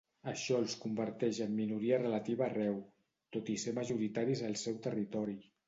Això els converteix en minoria relativa arreu, tot i ser majoritaris al seu territori.